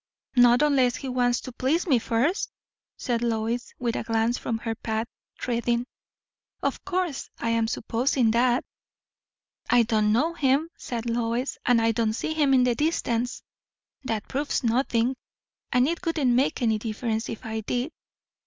"Not unless he wants to please me first!" said Lois, with a glance from her path treading. "Of course. I am supposing that." "I don't know him!" said Lois. "And I don't see him in the distance!" "That proves nothing." "And it wouldn't make any difference if I did."